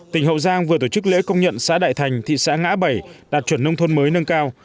tỉnh hậu giang vừa tổ chức lễ công nhận xã đại thành thị xã ngã bảy đạt chuẩn nông thôn mới nâng cao